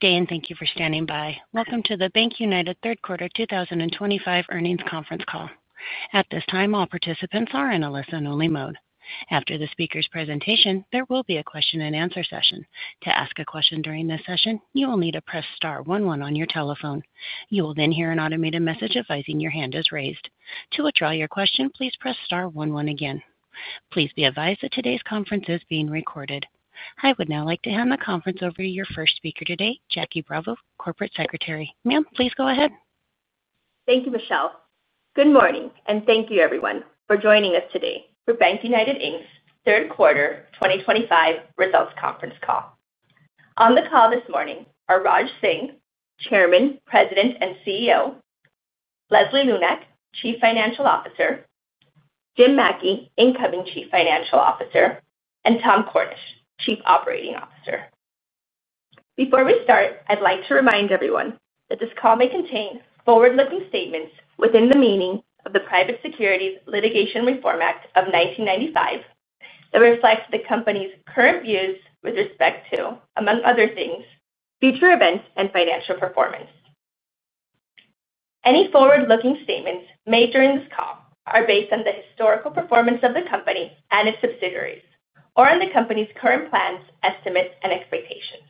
Good day and thank you for standing by. Welcome to the BankUnited Inc. Third Quarter 2025 Earnings Conference Call. At this time, all participants are in a listen-only mode. After the speaker's presentation, there will be a question and answer session. To ask a question during this session, you will need to press star one one on your telephone. You will then hear an automated message advising your hand is raised. To withdraw your question, please press one one again. Please be advised that today's conference is being recorded. I would now like to hand the conference over to your first speaker today, Jacqueline Bravo, Corporate Secretary. Ma'am, please go ahead. Thank you, Michelle. Good morning, and thank you, everyone, for joining us today for BankUnited Inc.'s Third Quarter 2025 Results Conference Call. On the call this morning are Rajinder Singh, Chairman, President and CEO, Leslie N. Lunak, Chief Financial Officer, Jim Mackey, Incoming Chief Financial Officer; and Tom Cornish, Chief Operating Officer. Before we start, I'd like to remind everyone that this call may contain forward-looking statements within the meaning of the Private Securities Litigation Reform Act of 1995 that reflect the company's current views with respect to, among other things, future events and financial performance. Any forward-looking statements made during this call are based on the historical performance of the company and its subsidiaries, or on the company's current plans, estimates, and expectations.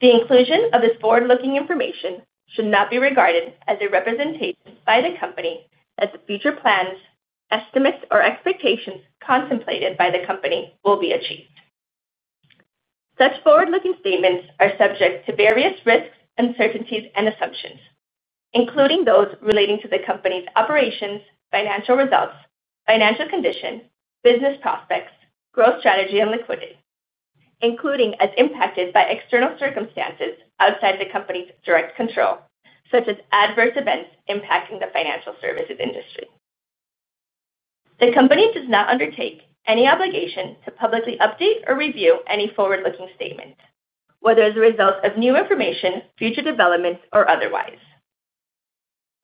The inclusion of this forward-looking information should not be regarded as a representation by the company that the future plans, estimates, or expectations contemplated by the company will be achieved. Such forward-looking statements are subject to various risks, uncertainties, and assumptions, including those relating to the company's operations, financial results, financial condition, business prospects, growth strategy, and liquidity, including as impacted by external circumstances outside the company's direct control, such as adverse events impacting the financial services industry. The company does not undertake any obligation to publicly update or review any forward-looking statement, whether as a result of new information, future developments, or otherwise.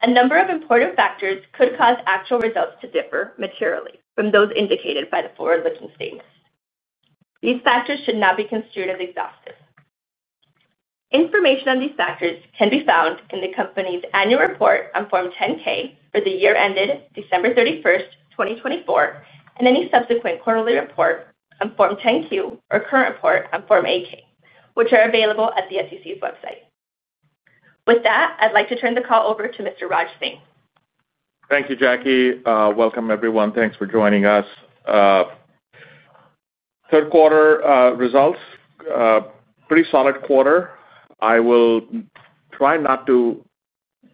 A number of important factors could cause actual results to differ materially from those indicated by the forward-looking statements. These factors should not be construed as exhaustive. Information on these factors can be found in the company's annual report on Form 10-K for the year ended December 31, 2024, and any subsequent quarterly report on Form 10-Q or current report on Form 8-K, which are available at the SEC's website. With that, I'd like to turn the call over to Mr. Rajinder Singh. Thank you, Jacqueline. Welcome, everyone. Thanks for joining us. Third quarter results, pretty solid quarter. I will try not to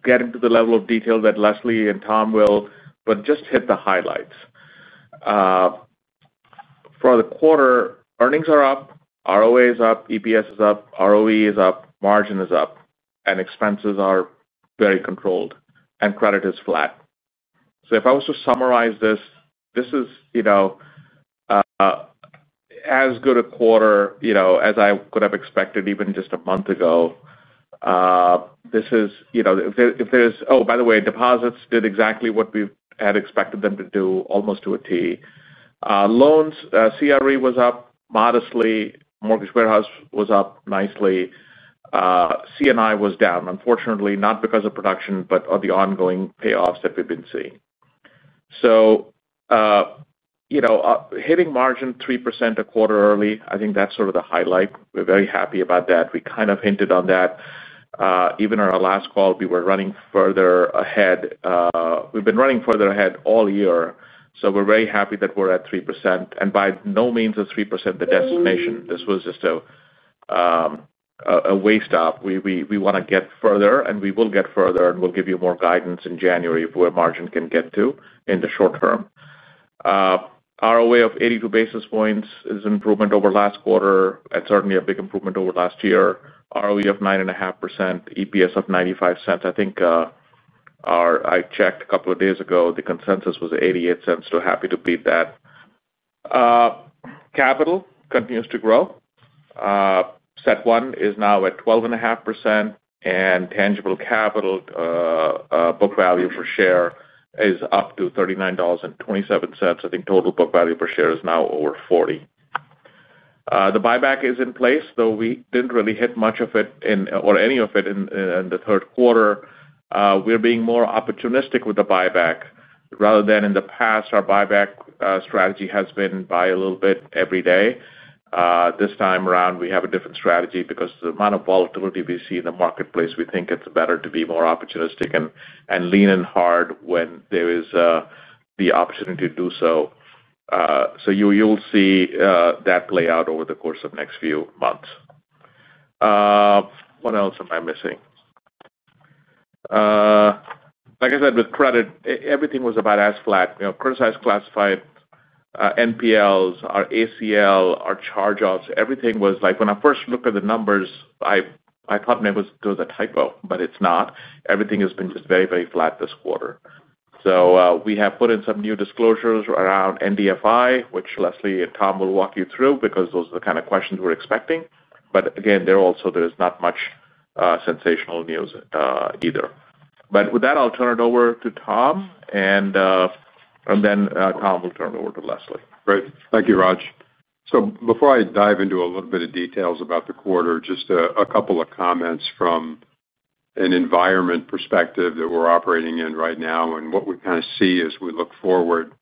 get into the level of detail that Leslie and Tom will, but just hit the highlights. For the quarter, earnings are up, ROA is up, EPS is up, ROE is up, margin is up, and expenses are very controlled, and credit is flat. If I was to summarize this, this is, you know, as good a quarter, you know, as I could have expected even just a month ago. This is, you know, if there's, oh, by the way, deposits did exactly what we had expected them to do, almost to a T. Loans, CRE was up modestly, Mortgage Warehouse was up nicely, C&I was down. Unfortunately, not because of production, but of the ongoing payoffs that we've been seeing. Hitting margin 3% a quarter early, I think that's sort of the highlight. We're very happy about that. We kind of hinted on that. Even on our last call, we were running further ahead. We've been running further ahead all year. We're very happy that we're at 3%. By no means is 3% the destination. This was just a way stop. We want to get further, and we will get further, and we'll give you more guidance in January of where margin can get to in the short term. ROA of 82 basis points is an improvement over last quarter and certainly a big improvement over last year. ROE of 9.5%, EPS of $0.95. I think, I checked a couple of days ago, the consensus was $0.88, so happy to beat that. Capital continues to grow. CET1 is now at 12.5%, and tangible book value per share is up to $39.27. I think total book value per share is now over $40. The buyback is in place, though we didn't really hit much of it in, or any of it in, in the third quarter. We're being more opportunistic with the buyback. Rather than in the past, our buyback strategy has been buy a little bit every day. This time around, we have a different strategy because of the amount of volatility we see in the marketplace. We think it's better to be more opportunistic and lean in hard when there is the opportunity to do so. You will see that play out over the course of the next few months. What else am I missing? Like I said, with credit, everything was about as flat. Criticized, classified, NPLs, our ACL, our charge-offs, everything was like, when I first looked at the numbers, I thought maybe it was a typo, but it's not. Everything has been just very, very flat this quarter. We have put in some new disclosures around NDFI, which Leslie and Tom will walk you through because those are the kind of questions we're expecting. There also is not much sensational news, either. With that, I'll turn it over to Tom, and then Tom will turn it over to Leslie. Great. Thank you, Raj. Before I dive into a little bit of details about the quarter, just a couple of comments from an environment perspective that we're operating in right now and what we kind of see as we look forward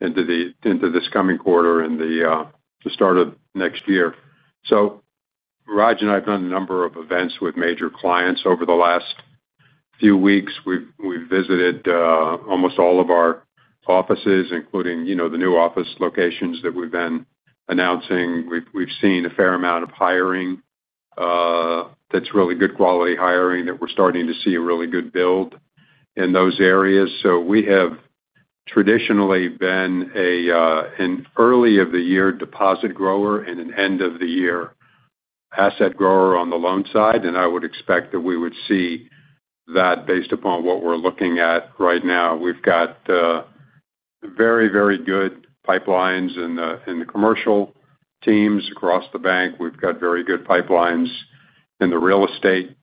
into this coming quarter and the start of next year. Raj and I have done a number of events with major clients over the last few weeks. We've visited almost all of our offices, including the new office locations that we've been announcing. We've seen a fair amount of hiring, that's really good quality hiring that we're starting to see a really good build in those areas. We have traditionally been an early-of-the-year deposit grower and an end-of-the-year asset grower on the loan side. I would expect that we would see that based upon what we're looking at right now. We've got very, very good pipelines in the commercial teams across the bank. We've got very good pipelines in the real estate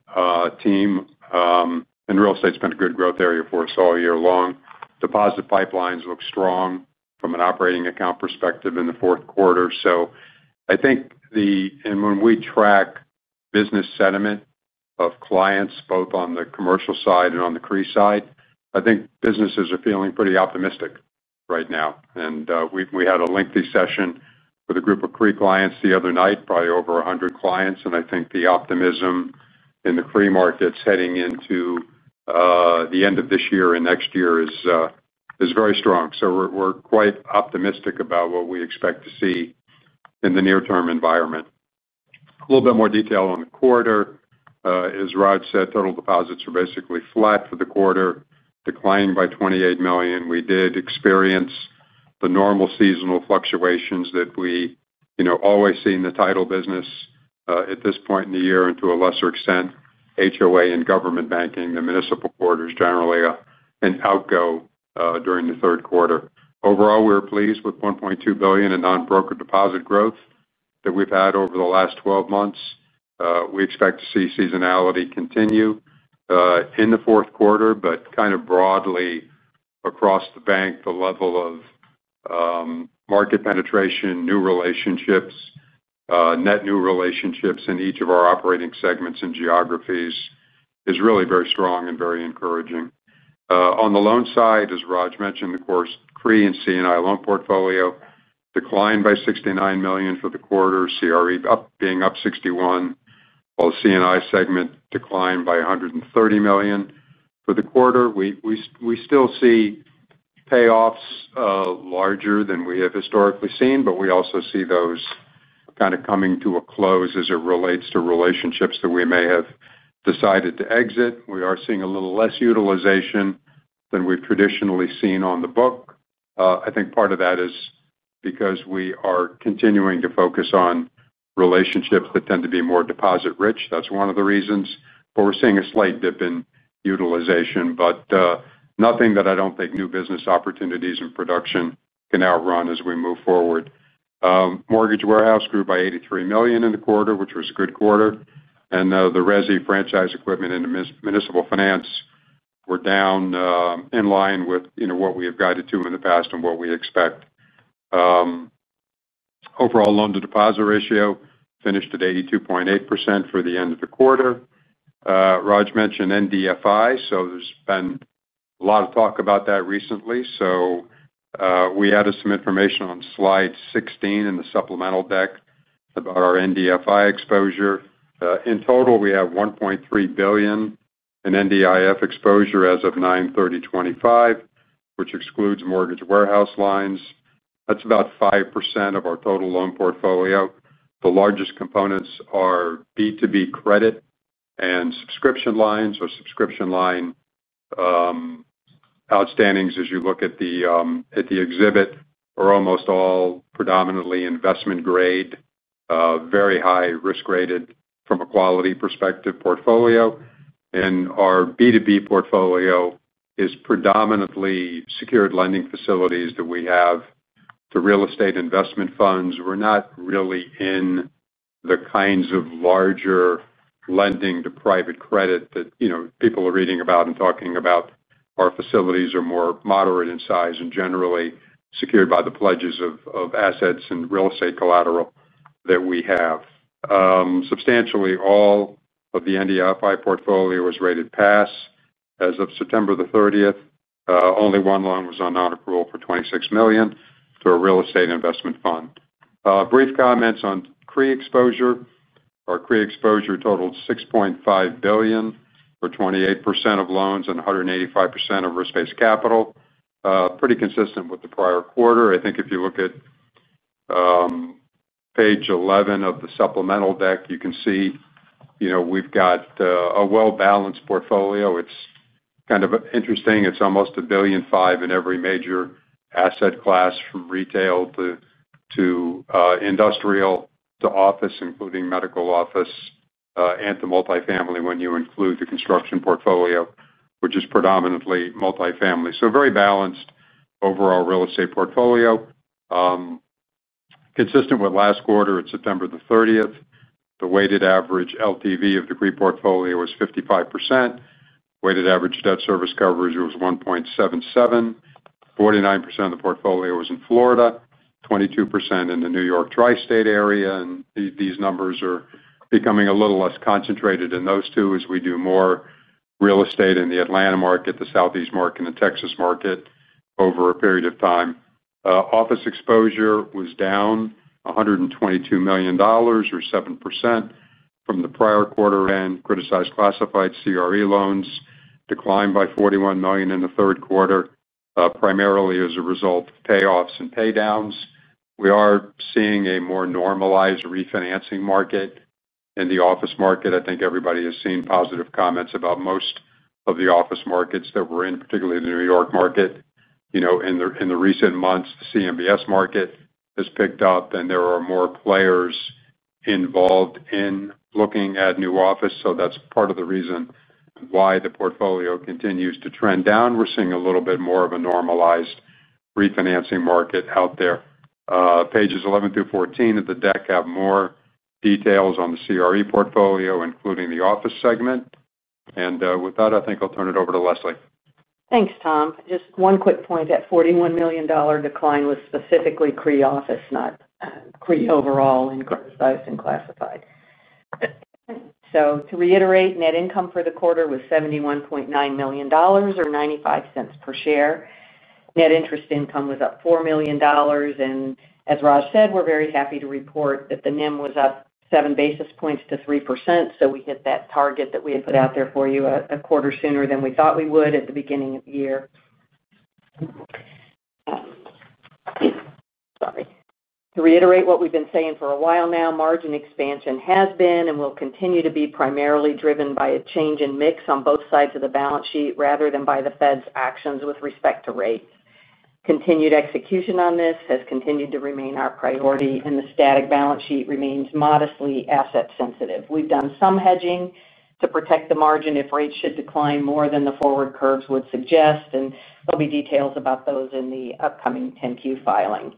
team, and real estate's been a good growth area for us all year long. Deposit pipelines look strong from an operating account perspective in the fourth quarter. I think when we track business sentiment of clients, both on the commercial side and on the CRE side, businesses are feeling pretty optimistic right now. We had a lengthy session with a group of CRE clients the other night, probably over 100 clients. I think the optimism in the CRE markets heading into the end of this year and next year is very strong. We're quite optimistic about what we expect to see in the near-term environment. A little bit more detail on the quarter. As Raj said, total deposits are basically flat for the quarter, declining by $28 million. We did experience the normal seasonal fluctuations that we always see in the title business at this point in the year, and to a lesser extent, HOA and government banking. The municipal quarter is generally an outgo during the third quarter. Overall, we're pleased with $1.2 billion in non-broker deposit growth that we've had over the last 12 months. We expect to see seasonality continue in the fourth quarter, but broadly across the bank, the level of market penetration, new relationships, net new relationships in each of our operating segments and geographies is really very strong and very encouraging. On the loan side, as Raj mentioned, of course, CRE and C&I loan portfolio declined by $69 million for the quarter, CRE being up $61 million, while the C&I segment declined by $130 million for the quarter. We still see payoffs larger than we have historically seen, but we also see those kind of coming to a close as it relates to relationships that we may have decided to exit. We are seeing a little less utilization than we've traditionally seen on the book. I think part of that is because we are continuing to focus on relationships that tend to be more deposit-rich. That's one of the reasons. We're seeing a slight dip in utilization, but nothing that I don't think new business opportunities and production can outrun as we move forward. Mortgage Warehouse grew by $83 million in the quarter, which was a good quarter. The RESI franchise equipment and the municipal finance were down, in line with what we have guided to in the past and what we expect. Overall, loan-to-deposit ratio finished at 82.8% for the end of the quarter. Raj mentioned NDFI, so there's been a lot of talk about that recently. We added some information on slide 16 in the supplemental deck about our NDFI exposure. In total, we have $1.3 billion in NDFI exposure as of 9/30/2025, which excludes Mortgage Warehouse lines. That's about 5% of our total loan portfolio. The largest components are B2B credit and Subscription Lines, or Subscription Line, outstandings as you look at the exhibit are almost all predominantly investment-grade, very high-risk-rated from a quality perspective portfolio. Our B2B portfolio is predominantly secured lending facilities that we have to real estate investment funds. We're not really in the kinds of larger lending to private credit that people are reading about and talking about. Our facilities are more moderate in size and generally secured by the pledges of assets and real estate collateral that we have. Substantially all of the NDFI portfolio was rated pass as of September 30. Only one loan was on non-approval for $26 million to a real estate investment fund. Brief comments on CRE exposure. Our CRE exposure totaled $6.5 billion for 28% of loans and 185% of risk-based capital. Pretty consistent with the prior quarter. I think if you look at page 11 of the supplemental deck, you can see we've got a well-balanced portfolio. It's kind of interesting. It's almost $1.5 billion in every major asset class from retail to industrial to office, including medical office, and to multifamily when you include the construction portfolio, which is predominantly multifamily. Very balanced overall real estate portfolio, consistent with last quarter at September 30. The weighted average loan-to-value of the CRE portfolio was 55%. Weighted average debt service coverage was 1.77. 49% of the portfolio was in Florida, 22% in the New York tri-state area. These numbers are becoming a little less concentrated in those two as we do more real estate in the Atlanta market, the Southeast market, and the Texas market over a period of time. Office exposure was down $122 million, or 7% from the prior quarter, and criticized classified CRE loans declined by $41 million in the third quarter, primarily as a result of payoffs and paydowns. We are seeing a more normalized refinancing market in the office market. I think everybody has seen positive comments about most of the office markets that we're in, particularly the New York market. In the recent months, the CMBS market has picked up, and there are more players involved in looking at new offices. That's part of the reason why the portfolio continues to trend down. We're seeing a little bit more of a normalized refinancing market out there. Pages 11 through 14 of the deck have more details on the CRE portfolio, including the office segment. With that, I think I'll turn it over to Leslie. Thanks, Tom. Just one quick point. That $41 million decline was specifically CRE office, not CRE overall in criticized and classified. To reiterate, net income for the quarter was $71.9 million or $0.95 per share. Net interest income was up $4 million. As Raj said, we're very happy to report that the NIM was up seven basis points to 3%. We hit that target that we had put out there for you a quarter sooner than we thought we would at the beginning of the year. To reiterate what we've been saying for a while now, margin expansion has been and will continue to be primarily driven by a change in mix on both sides of the balance sheet rather than by the Fed's actions with respect to rates. Continued execution on this has continued to remain our priority, and the static balance sheet remains modestly asset-sensitive. We've done some hedging to protect the margin if rates should decline more than the forward curves would suggest. There will be details about those in the upcoming 10-Q filing.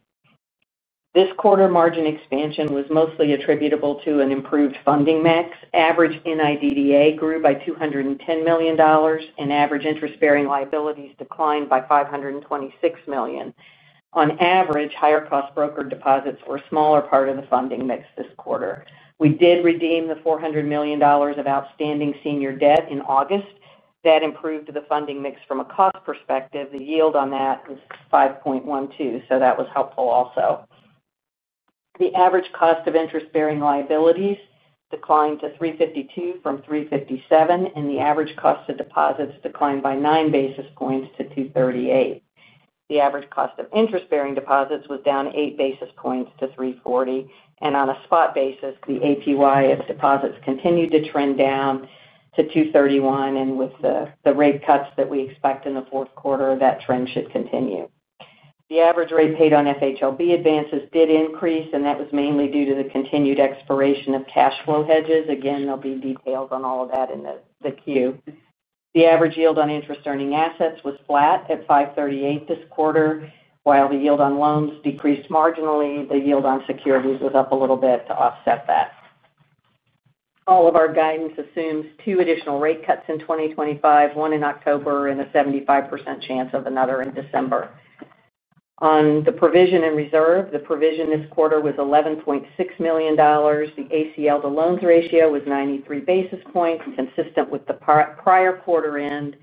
This quarter margin expansion was mostly attributable to an improved funding mix. Average NIDDA grew by $210 million, and average interest-bearing liabilities declined by $526 million. On average, higher-cost broker deposits were a smaller part of the funding mix this quarter. We did redeem the $400 million of outstanding senior debt in August. That improved the funding mix from a cost perspective. The yield on that was 5.12%, so that was helpful also. The average cost of interest-bearing liabilities declined to 3.52% from 3.57%, and the average cost of deposits declined by nine basis points to 2.38%. The average cost of interest-bearing deposits was down eight basis points to 3.40%. On a spot basis, the APY of deposits continued to trend down to 2.31%. With the rate cuts that we expect in the fourth quarter, that trend should continue. The average rate paid on FHLB advances did increase, and that was mainly due to the continued expiration of cash flow hedges. There will be details on all of that in the Q. The average yield on interest-earning assets was flat at 5.38% this quarter, while the yield on loans decreased marginally. The yield on securities was up a little bit to offset that. All of our guidance assumes two additional rate cuts in 2025, one in October and a 75% chance of another in December. On the provision and reserve, the provision this quarter was $11.6 million. The ACL to loans ratio was 93 basis points, consistent with the prior quarter end.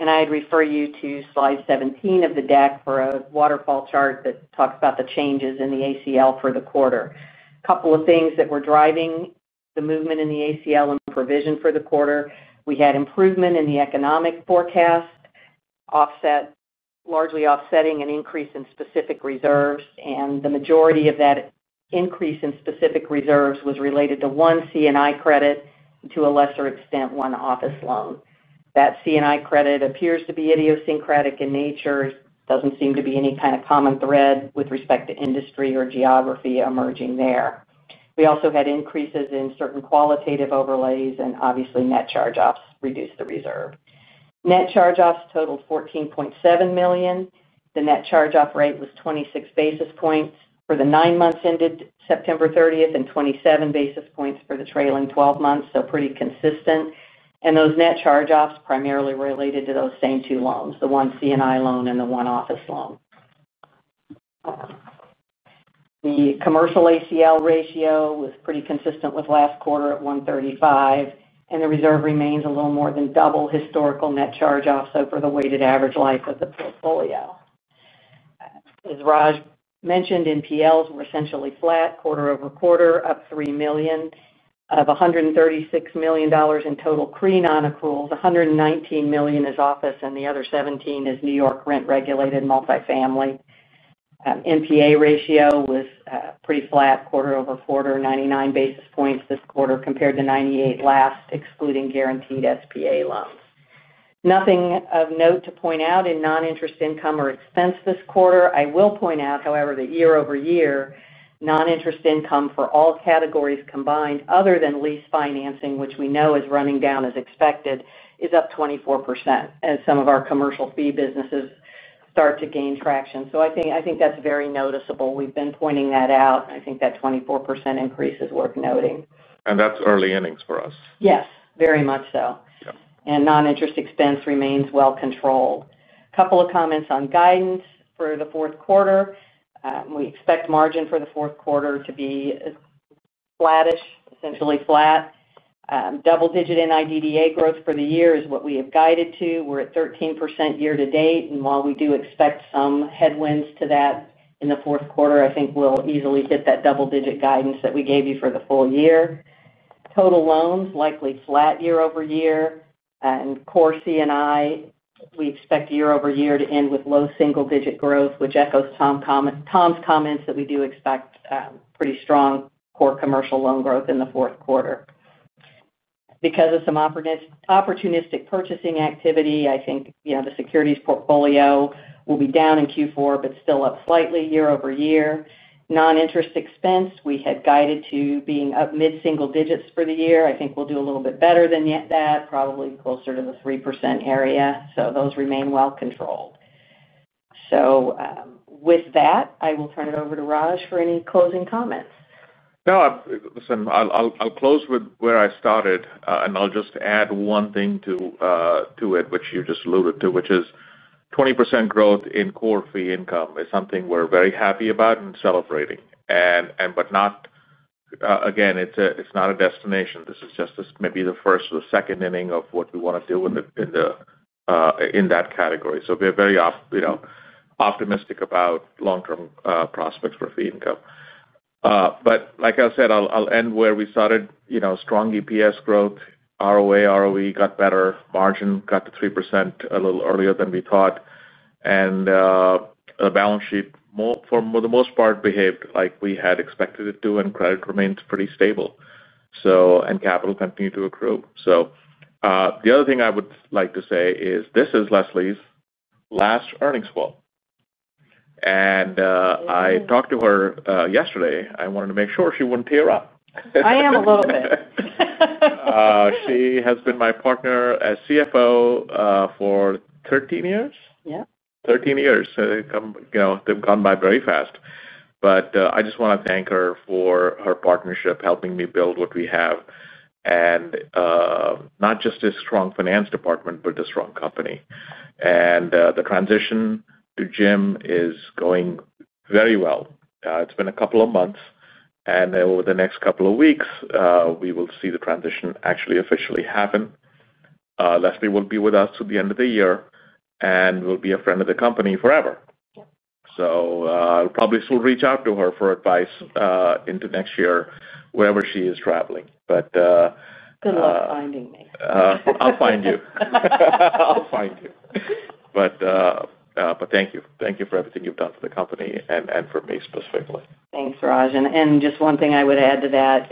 I would refer you to slide 17 of the deck for a waterfall chart that talks about the changes in the ACL for the quarter. A couple of things that were driving the movement in the ACL and provision for the quarter, we had improvement in the economic forecast, largely offsetting an increase in specific reserves. The majority of that increase in specific reserves was related to one C&I credit and to a lesser extent, one office loan. That C&I credit appears to be idiosyncratic in nature. It doesn't seem to be any kind of common thread with respect to industry or geography emerging there. We also had increases in certain qualitative overlays, and obviously, net charge-offs reduced the reserve. Net charge-offs totaled $14.7 million. The net charge-off rate was 26 basis points for the nine months ended September 30, 2023, and 27 basis points for the trailing 12 months, so pretty consistent. Those net charge-offs primarily related to those same two loans, the one C&I loan and the one office loan. The commercial ACL ratio was pretty consistent with last quarter at 1.35%, and the reserve remains a little more than double historical net charge-offs over the weighted average life of the portfolio. As Raj mentioned, NPLs were essentially flat quarter-over-quarter, up $3 million. Of $136 million in total CRE non-approvals, $119 million is office, and the other $17 million is New York rent-regulated multifamily. NPA ratio was pretty flat quarter over quarter, 99 basis points this quarter compared to 98 last, excluding guaranteed SBA loans. Nothing of note to point out in non-interest income or expense this quarter. I will point out, however, that year-over-year non-interest income for all categories combined, other than lease financing, which we know is running down as expected, is up 24% as some of our commercial fee businesses start to gain traction. I think that's very noticeable. We've been pointing that out, and I think that 24% increase is worth noting. That's early earnings for us. Yes, very much so. Yeah, and non-interest expense remains well controlled. A couple of comments on guidance for the fourth quarter. We expect margin for the fourth quarter to be flat-ish, essentially flat. Double-digit NIDDA growth for the year is what we have guided to. We're at 13% year to date. While we do expect some headwinds to that in the fourth quarter, I think we'll easily hit that double-digit guidance that we gave you for the full year. Total loans likely flat year over year. Core C&I, we expect year over year to end with low single-digit growth, which echoes Tom's comments that we do expect pretty strong core commercial loan growth in the fourth quarter. Because of some opportunistic purchasing activity, I think the securities portfolio will be down in Q4 but still up slightly year over year. Non-interest expense, we had guided to being up mid-single digits for the year. I think we'll do a little bit better than that, probably closer to the 3% area. Those remain well controlled. With that, I will turn it over to Raj for any closing comments. No, listen, I'll close with where I started, and I'll just add one thing to it, which you just alluded to, which is 20% growth in core fee income is something we're very happy about and celebrating. It's not a destination. This is just maybe the first or the second inning of what we want to do with it in that category. We're very optimistic about long-term prospects for fee income. Like I said, I'll end where we started: strong EPS growth. ROA, ROE got better. Margin got to 3% a little earlier than we thought. The balance sheet, for the most part, behaved like we had expected it to, and credit remains pretty stable. Capital continued to accrue. The other thing I would like to say is this is Leslie N. Lunak's last earnings call. I talked to her yesterday. I wanted to make sure she wouldn't tear up. I am a little bit. She has been my partner as CFO for 13 years. Yeah. Thirteen years. They've gone by very fast. I just want to thank her for her partnership, helping me build what we have, not just this strong finance department, but a strong company. The transition to Jim is going very well. It's been a couple of months. Over the next couple of weeks, we will see the transition actually officially happen. Leslie will be with us through the end of the year, and will be a friend of the company forever. Yeah. I'll probably still reach out to her for advice into next year, wherever she is traveling. Good luck finding me. Thank you. Thank you for everything you've done for the company and for me specifically. Thanks, Raj. One thing I would add to that,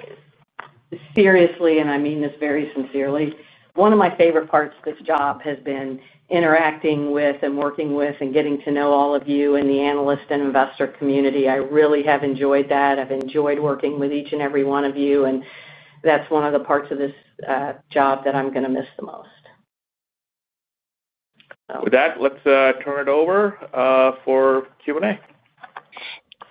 seriously, and I mean this very sincerely, one of my favorite parts of this job has been interacting with and working with and getting to know all of you in the analyst and investor community. I really have enjoyed that. I've enjoyed working with each and every one of you. That's one of the parts of this job that I'm going to miss the most. With that, let's turn it over for Q&A.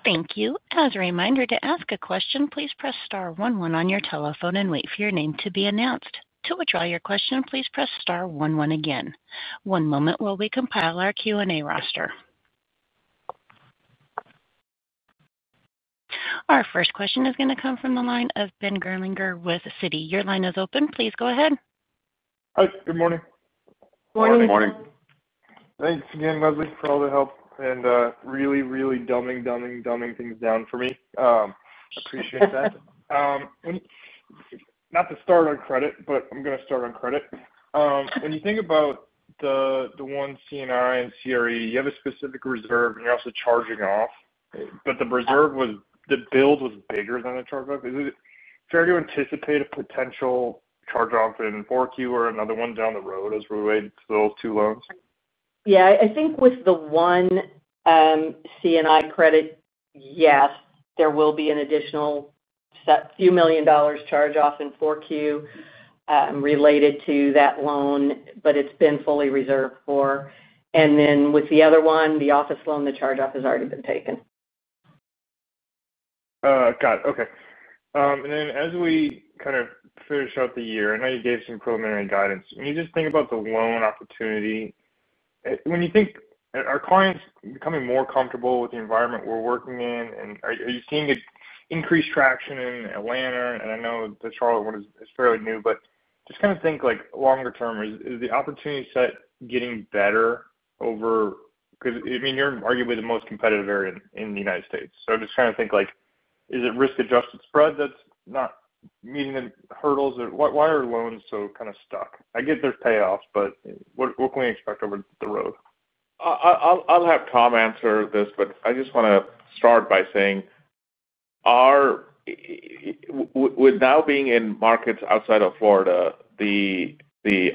Thank you. As a reminder, to ask a question, please press star one one on your telephone and wait for your name to be announced. To withdraw your question, please press star one one again. One moment while we compile our Q&A roster. Our first question is going to come from the line of Benjamin T. Gerlinger with Citigroup Inc. Your line is open. Please go ahead. Hi, good morning. Morning. Good morning. Thanks again, Leslie, for all the help and really dumbing things down for me. I appreciate that. I'm not to start on credit, but I'm going to start on credit. When you think about the one C&I and CRE, you have a specific reserve, and you're also charging off. The reserve was the build was bigger than the charge-off. Is it fair to anticipate a potential charge-off in 4Q or another one down the road as we wait for those two loans? Yeah. I think with the one, C&I credit, yes, there will be an additional set few million dollars charge-off in Q4, related to that loan, but it's been fully reserved for. With the other one, the office loan, the charge-off has already been taken. Got it. Okay. As we kind of finish out the year, I know you gave some preliminary guidance. When you just think about the loan opportunity, when you think, are clients becoming more comfortable with the environment we're working in? Are you seeing increased traction in Atlanta? I know the Charlotte one is fairly new, but just kind of think longer term, is the opportunity set getting better over? I mean, you're arguably the most competitive area in the United States. I'm just trying to think, is it risk-adjusted spread that's not meeting the hurdles? Why are loans so kind of stuck? I get there's payoffs, but what can we expect over the road? I. I'll have Tom answer this, but I just want to start by saying, with now being in markets outside of Florida, the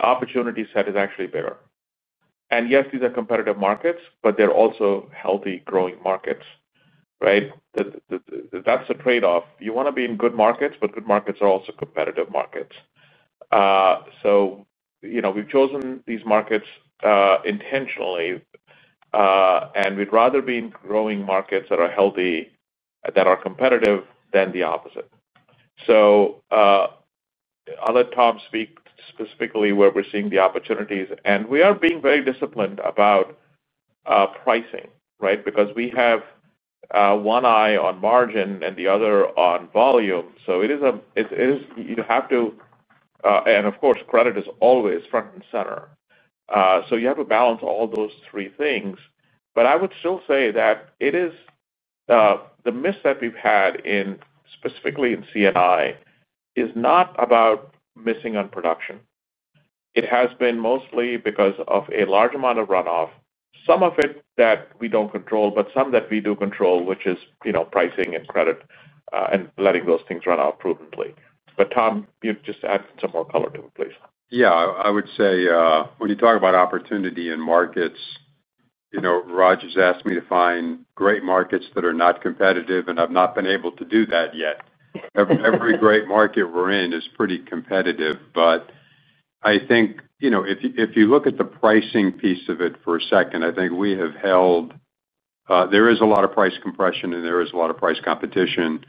opportunity set is actually bigger. Yes, these are competitive markets, but they're also healthy, growing markets, right? That's the trade-off. You want to be in good markets, but good markets are also competitive markets. You know we've chosen these markets intentionally, and we'd rather be in growing markets that are healthy, that are competitive than the opposite. I'll let Tom speak specifically where we're seeing the opportunities. We are being very disciplined about pricing, right? Because we have one eye on margin and the other on volume. It is, you have to, and of course, credit is always front and center. You have to balance all those three things. I would still say that the miss that we've had specifically in C&I is not about missing on production. It has been mostly because of a large amount of runoff, some of it that we don't control, but some that we do control, which is pricing and credit, and letting those things run out prudently. Tom, you just add some more color to it, please. Yeah. I would say, when you talk about opportunity in markets, Raj has asked me to find great markets that are not competitive, and I've not been able to do that yet. Every great market we're in is pretty competitive. I think, if you look at the pricing piece of it for a second, we have held, there is a lot of price compression, and there is a lot of price competition.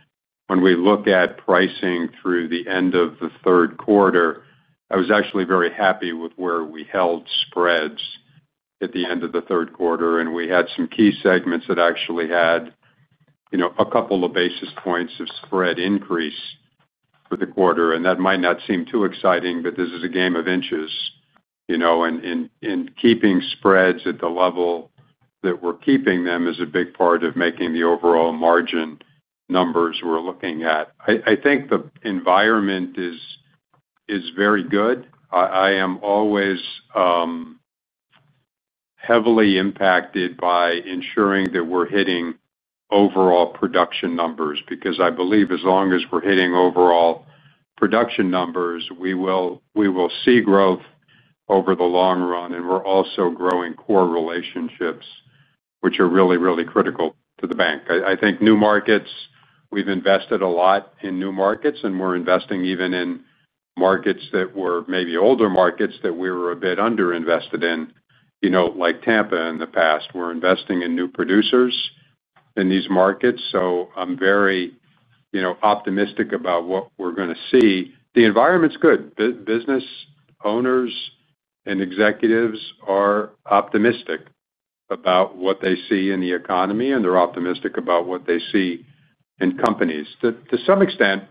When we look at pricing through the end of the third quarter, I was actually very happy with where we held spreads at the end of the third quarter. We had some key segments that actually had a couple of basis points of spread increase for the quarter. That might not seem too exciting, but this is a game of inches. In keeping spreads at the level that we're keeping them is a big part of making the overall margin numbers we're looking at. I think the environment is very good. I am always heavily impacted by ensuring that we're hitting overall production numbers because I believe as long as we're hitting overall production numbers, we will see growth over the long run. We're also growing core relationships, which are really, really critical to the bank. I think new markets, we've invested a lot in new markets, and we're investing even in markets that were maybe older markets that we were a bit underinvested in, like Tampa in the past. We're investing in new producers in these markets. I'm very optimistic about what we're going to see. The environment's good. Business owners and executives are optimistic about what they see in the economy, and they're optimistic about what they see in companies. To some extent,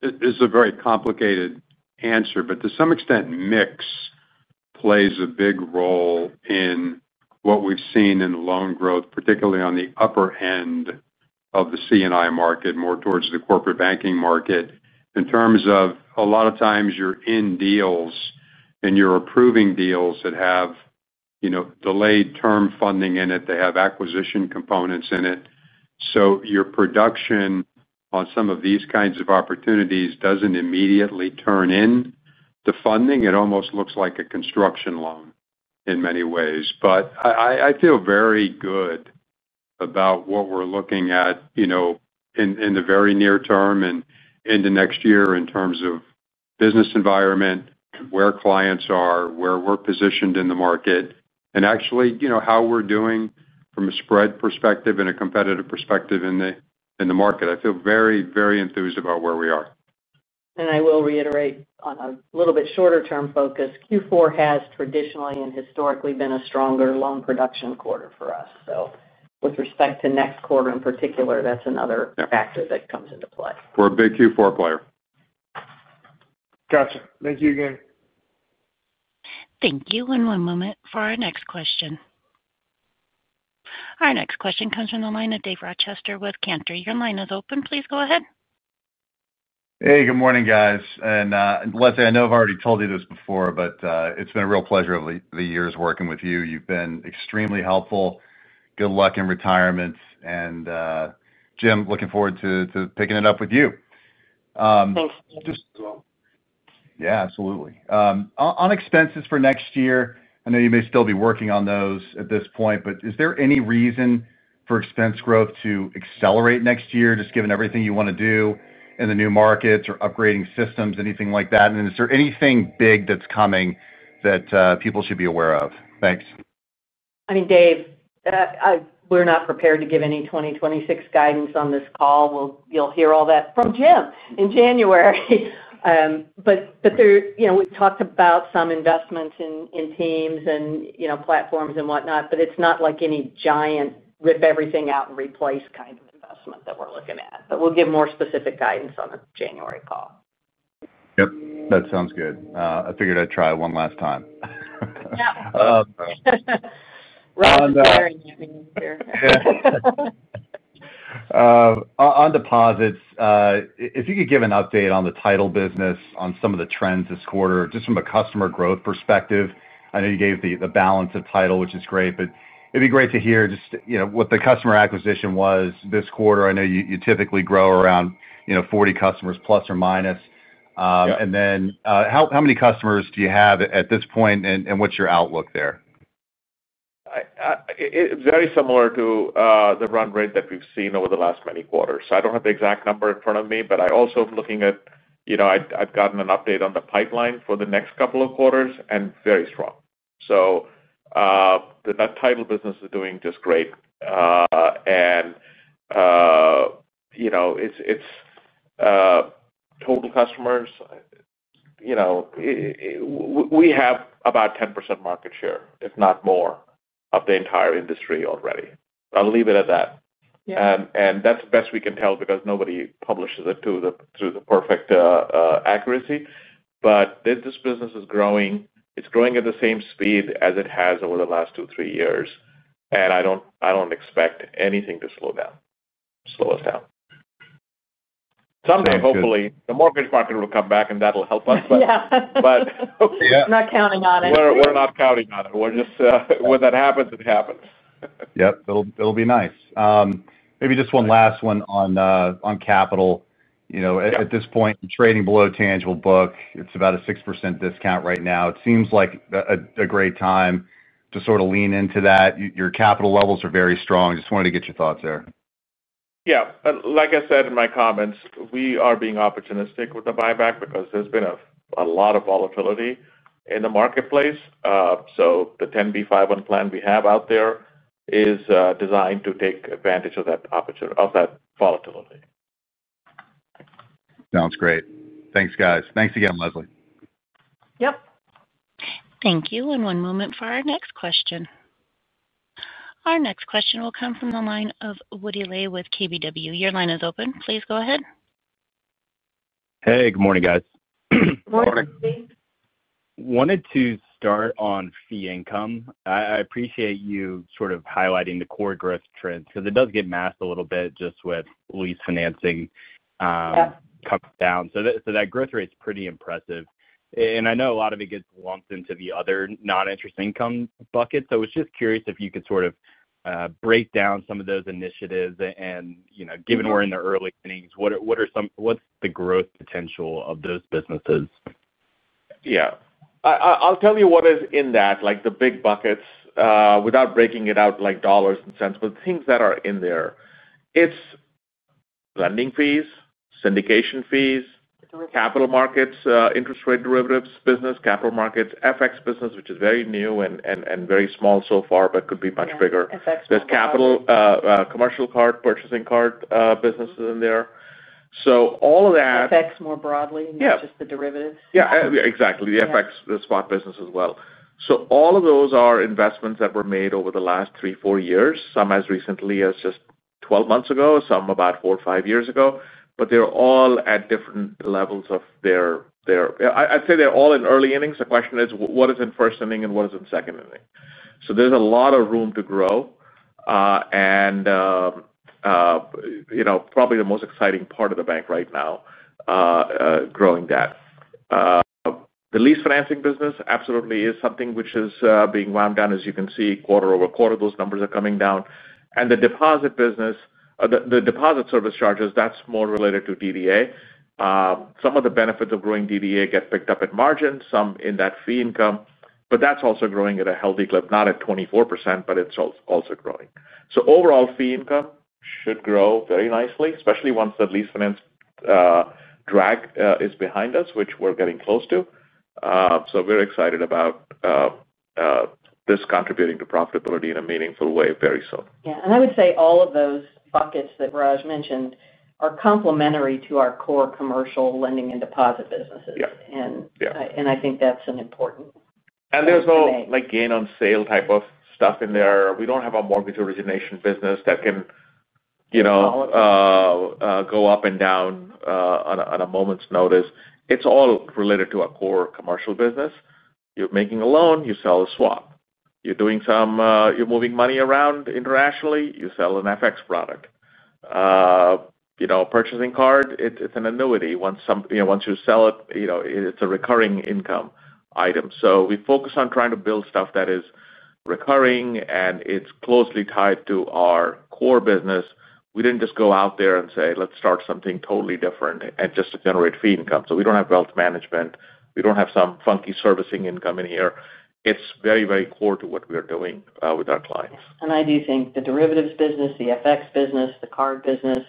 this is a very complicated answer, but to some extent, mix plays a big role in what we've seen in loan growth, particularly on the upper end of the C&I market, more towards the corporate banking market. In terms of a lot of times, you're in deals, and you're approving deals that have delayed term funding in it. They have acquisition components in it. Your production on some of these kinds of opportunities doesn't immediately turn in the funding. It almost looks like a construction loan in many ways. I feel very good about what we're looking at in the very near term and into next year in terms of business environment, where clients are, where we're positioned in the market, and actually how we're doing from a spread perspective and a competitive perspective in the market. I feel very, very enthused about where we are. I will reiterate on a little bit shorter-term focus. Q4 has traditionally and historically been a stronger loan production quarter for us. With respect to next quarter in particular, that's another factor that comes into play. We're a big Q4 player. Gotcha. Thank you again. Thank you. One moment for our next question. Our next question comes from the line of Dave Rochester with Cantry. Your line is open. Please go ahead. Hey, good morning, guys. Leslie, I know I've already told you this before, but it's been a real pleasure over the years working with you. You've been extremely helpful. Good luck in retirement. Jim, looking forward to picking it up with you. Thanks, David, as well. Yeah, absolutely. On expenses for next year, I know you may still be working on those at this point, but is there any reason for expense growth to accelerate next year, just given everything you want to do in the new markets or upgrading systems, anything like that? Is there anything big that's coming that people should be aware of? Thanks. I mean, Dave, we're not prepared to give any 2026 guidance on this call. You'll hear all that from Jim in January. We've talked about some investments in teams and platforms and whatnot, but it's not like any giant rip everything out and replace kind of investment that we're looking at. We'll give more specific guidance on the January call. That sounds good. I figured I'd try one last time. Yeah, Roger's wearing it. On deposits, if you could give an update on the title business on some of the trends this quarter, just from a customer growth perspective. I know you gave the balance of title, which is great, but it'd be great to hear just what the customer acquisition was this quarter. I know you typically grow around 40 customers plus or minus. How many customers do you have at this point, and what's your outlook there? Very similar to the run rate that we've seen over the last many quarters. I don't have the exact number in front of me, but I also am looking at, you know, I've gotten an update on the pipeline for the next couple of quarters, and very strong. The title business is doing just great, and, you know, it's total customers. We have about 10% market share, if not more, of the entire industry already. I'll leave it at that. That's the best we can tell because nobody publishes it with perfect accuracy. This business is growing. It's growing at the same speed as it has over the last two, three years. I don't expect anything to slow down, slow us down. Someday, hopefully, the mortgage market will come back and that'll help us. Not counting on it. We're not counting on it. When that happens, it happens. It'll be nice. Maybe just one last one on capital. You know, at this point, trading below tangible book, it's about a 6% discount right now. It seems like a great time to sort of lean into that. Your capital levels are very strong. I just wanted to get your thoughts there. Yeah. Like I said in my comments, we are being opportunistic with the buyback because there's been a lot of volatility in the marketplace. The 10b5-1 plan we have out there is designed to take advantage of that volatility. Sounds great. Thanks, guys. Thanks again, Leslie. Yep. Thank you. One moment for our next question. Our next question will come from the line of Wood Neblett Lay with Keefe Bruyette & Woods Inc. Your line is open. Please go ahead. Hey, good morning, guys. Morning. I wanted to start on fee income. I appreciate you highlighting the core growth trends because it does get masked a little bit just with lease financing coming down. That growth rate is pretty impressive. I know a lot of it gets lumped into the other non-interest income buckets. I was just curious if you could break down some of those initiatives. Given we're in the early earnings, what are some, what's the growth potential of those businesses? Yeah. I'll tell you what is in that, like the big buckets, without breaking it out like dollars and cents, but the things that are in there, it's lending fees, syndication fees, capital markets, interest rate derivatives business, capital markets, FX business, which is very new and very small so far, but could be much bigger. FX business. There's capital, commercial card, purchasing card businesses in there. All of that. FX more broadly than just the derivatives? Yeah. Exactly. The FX, the spot business as well. All of those are investments that were made over the last three, four years, some as recently as just 12 months ago, some about four or five years ago. They're all at different levels of their, I'd say they're all in early earnings. The question is, what is in first earning and what is in second earning? There's a lot of room to grow, and, you know, probably the most exciting part of the bank right now, growing that. The lease financing business absolutely is something which is being wound down, as you can see, quarter over quarter, those numbers are coming down. The deposit business, the deposit service charges, that's more related to DDA. Some of the benefits of growing DDA get picked up at margin, some in that fee income, but that's also growing at a healthy clip, not at 24%, but it's also growing. Overall fee income should grow very nicely, especially once that lease finance drag is behind us, which we're getting close to. We're excited about this contributing to profitability in a meaningful way very soon. Yeah. I would say all of those buckets that Raj mentioned are complementary to our core commercial lending and deposit businesses. I think that's important. There is no gain on sale type of stuff in there. We don't have a mortgage origination business that can go up and down on a moment's notice. It's all related to a core commercial business. You're making a loan, you sell a swap. You're moving money around internationally, you sell an FX product. You know, a purchasing card, it's an annuity. Once you sell it, it's a recurring income item. We focus on trying to build stuff that is recurring and it's closely tied to our core business. We didn't just go out there and say, "Let's start something totally different just to generate fee income." We don't have wealth management. We don't have some funky servicing income in here. It's very, very core to what we are doing with our clients. I do think the derivatives business, the FX business, the card business,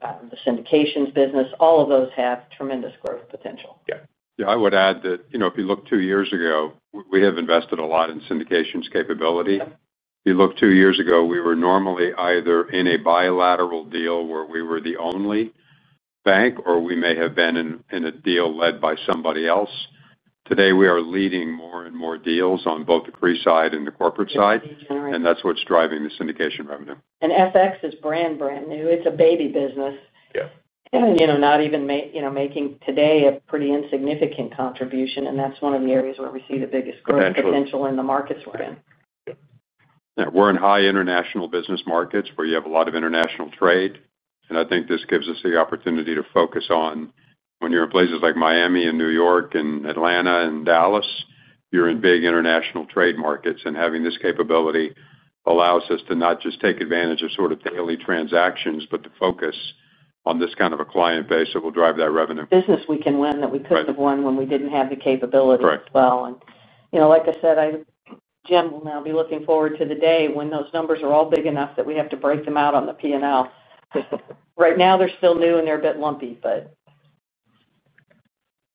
the syndications business, all of those have tremendous growth potential. Yeah, I would add that, you know, if you look two years ago, we have invested a lot in syndications capability. If you look two years ago, we were normally either in a bilateral deal where we were the only bank, or we may have been in a deal led by somebody else. Today, we are leading more and more deals on both the CRE side and the corporate side, and that's what's driving the syndication revenue. FX is brand, brand new. It's a baby business, and you know, not even making today a pretty insignificant contribution. That's one of the areas where we see the biggest growth potential in the markets we're in. Yeah, we're in high international business markets where you have a lot of international trade. I think this gives us the opportunity to focus on when you're in places like Miami and New York and Atlanta and Dallas, you're in big international trade markets. Having this capability allows us to not just take advantage of sort of daily transactions, but to focus on this kind of a client base that will drive that revenue. Business we can win that we couldn't have won when we didn't have the capability as well. Like I said, Jim will now be looking forward to the day when those numbers are all big enough that we have to break them out on the P&L, because right now they're still new and they're a bit lumpy.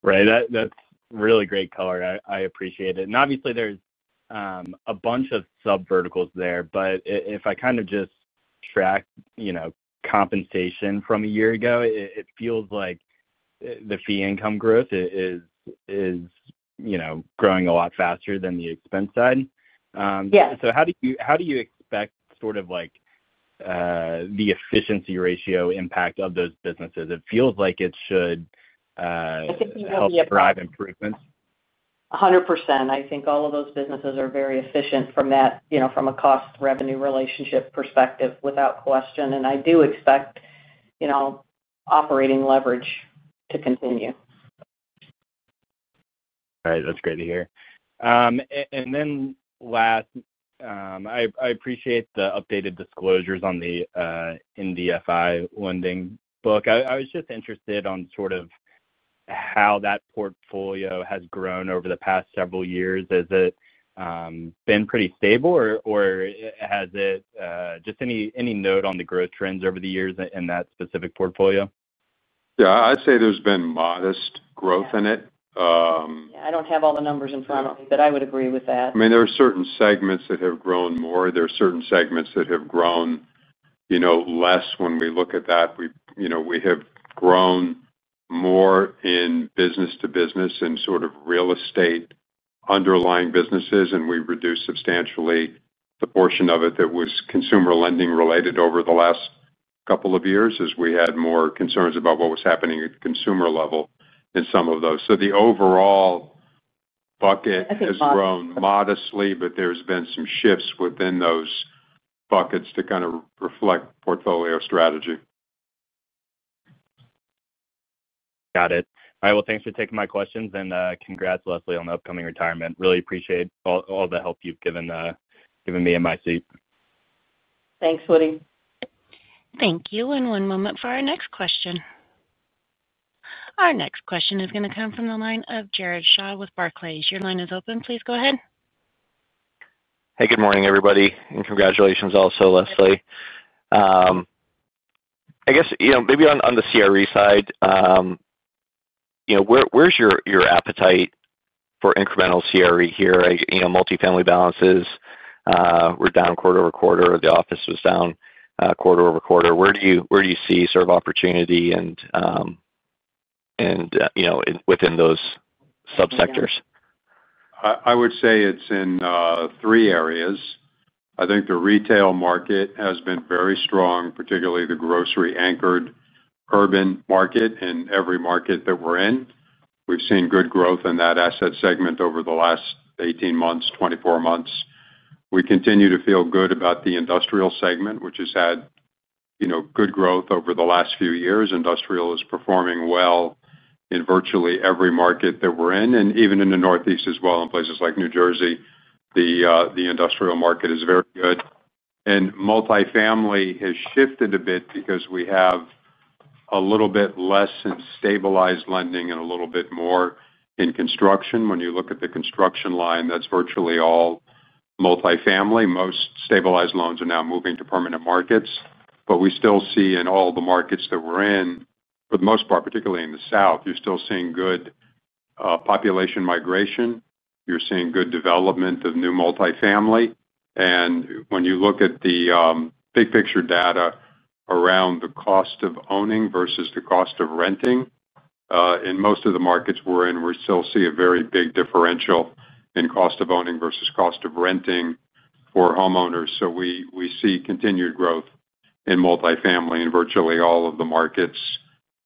Right. That's really great color. I appreciate it. Obviously, there's a bunch of sub-verticals there, but if I kind of just track, you know, compensation from a year ago, it feels like the fee income growth is, you know, growing a lot faster than the expense side. Yeah. How do you expect sort of like, the efficiency ratio impact of those businesses? It feels like it should drive improvements. I think you have to drive improvements. 100%. I think all of those businesses are very efficient from that, you know, from a cost-revenue relationship perspective, without question. I do expect, you know, operating leverage to continue. All right. That's great to hear. I appreciate the updated disclosures on the NDFI lending book. I was just interested on sort of how that portfolio has grown over the past several years. Has it been pretty stable or has it, just any note on the growth trends over the years in that specific portfolio? Yeah, I'd say there's been modest growth in it. Yeah, I don't have all the numbers in front of me, but I would agree with that. There are certain segments that have grown more. There are certain segments that have grown less when we look at that. We have grown more in B2B credit and sort of real estate underlying businesses, and we've reduced substantially the portion of it that was consumer lending related over the last couple of years as we had more concerns about what was happening at the consumer level in some of those. The overall bucket has grown modestly, but there's been some shifts within those buckets to reflect portfolio strategy. Got it. All right. Thanks for taking my questions and congrats, Leslie, on the upcoming retirement. Really appreciate all the help you've given me and my seat. Thanks, Woody. Thank you. One moment for our next question. Our next question is going to come from the line of Jared Shaw with Barclays Bank PLC. Your line is open. Please go ahead. Hey, good morning, everybody, and congratulations also, Leslie. I guess, maybe on the CRE side, where's your appetite for incremental CRE here? Multifamily balances were down quarter over quarter. The office was down quarter over quarter. Where do you see sort of opportunity within those subsectors? I would say it's in three areas. I think the retail market has been very strong, particularly the grocery-anchored urban market in every market that we're in. We've seen good growth in that asset segment over the last 18 months, 24 months. We continue to feel good about the industrial segment, which has had good growth over the last few years. Industrial is performing well in virtually every market that we're in, and even in the Northeast as well. In places like New Jersey, the industrial market is very good. Multifamily has shifted a bit because we have a little bit less in stabilized lending and a little bit more in construction. When you look at the construction line, that's virtually all multifamily. Most stabilized loans are now moving to permanent markets, but we still see in all the markets that we're in, for the most part, particularly in the South, you're still seeing good population migration. You're seeing good development of new multifamily. When you look at the big-picture data around the cost of owning versus the cost of renting, in most of the markets we're in, we still see a very big differential in cost of owning versus cost of renting for homeowners. We see continued growth in multifamily in virtually all of the markets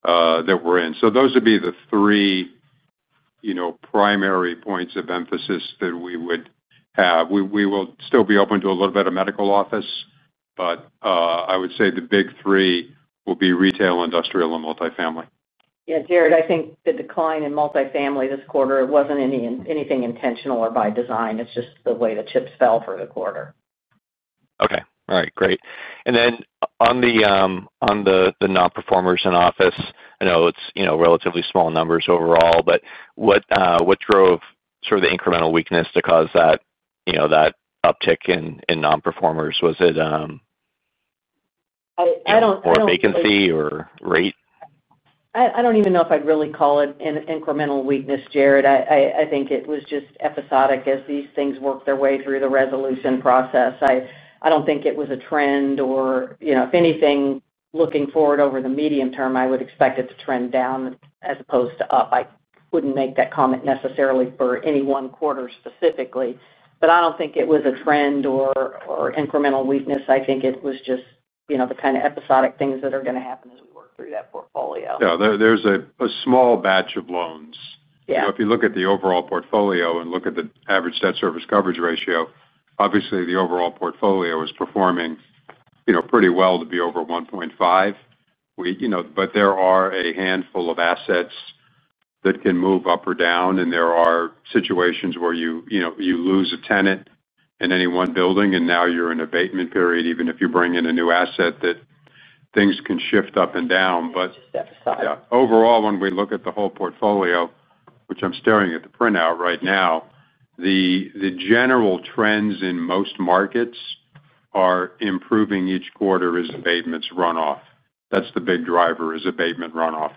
that we're in. Those would be the three primary points of emphasis that we would have. We will still be open to a little bit of medical office, but I would say the big three will be retail, industrial, and multifamily. Yeah. Jared, I think the decline in multifamily this quarter wasn't anything intentional or by design. It's just the way the chips fell for the quarter. Okay. All right. Great. On the non-performers in office, I know it's relatively small numbers overall, but what drove sort of the incremental weakness to cause that uptick in non-performers? Was it more vacancy or rate? I don't even know if I'd really call it an incremental weakness, Jared. I think it was just episodic as these things work their way through the resolution process. I don't think it was a trend or, you know, if anything, looking forward over the medium term, I would expect it to trend down as opposed to up. I wouldn't make that comment necessarily for any one quarter specifically. I don't think it was a trend or incremental weakness. I think it was just the kind of episodic things that are going to happen as we work through that portfolio. Yeah. There's a small batch of loans. If you look at the overall portfolio and look at the average debt service coverage ratio, obviously, the overall portfolio is performing pretty well to be over 1.5. There are a handful of assets that can move up or down, and there are situations where you lose a tenant in any one building, and now you're in an abatement period. Even if you bring in a new asset, things can shift up and down. Overall, when we look at the whole portfolio, which I'm staring at the printout right now, the general trends in most markets are improving each quarter as abatements run off. That's the big driver, is abatement runoff.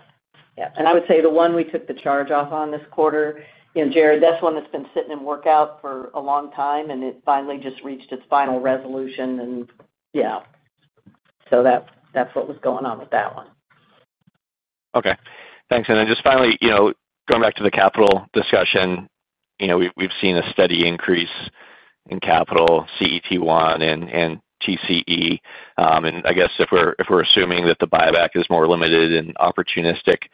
I would say the one we took the charge-off on this quarter, you know, Jared, that's one that's been sitting in workout for a long time, and it finally just reached its final resolution. That's what was going on with that one. Okay. Thanks. Finally, going back to the capital discussion, we've seen a steady increase in capital, CET1 and TCE. I guess if we're assuming that the buyback is more limited and opportunistic,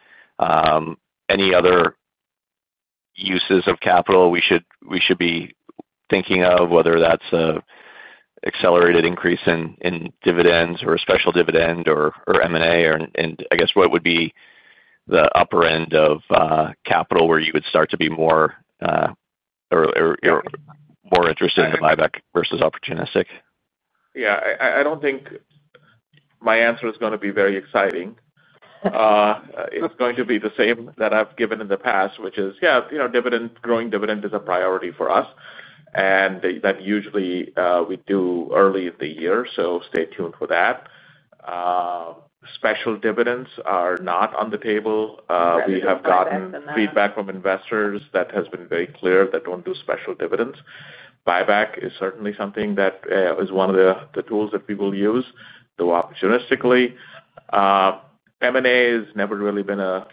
any other uses of capital we should be thinking of, whether that's an accelerated increase in dividends or a special dividend or M&A, and what would be the upper end of capital where you would start to be more interested in the buyback versus opportunistic? Yeah. I don't think my answer is going to be very exciting. It's going to be the same that I've given in the past, which is, yeah, you know, growing dividend is a priority for us. That usually, we do early in the year, so stay tuned for that. Special dividends are not on the table. We have gotten feedback from investors that has been very clear that don't do special dividends. Buyback is certainly something that is one of the tools that people use, though opportunistically. M&A has never really been a